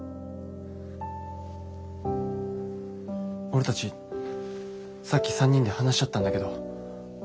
俺たちさっき３人で話し合ったんだけど。